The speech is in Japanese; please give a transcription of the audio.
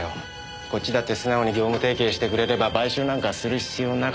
こっちだって素直に業務提携してくれれば買収なんかする必要なかった。